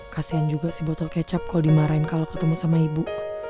kasian juga si botol kecap kalau dimarahin kalau ketemu sama ibu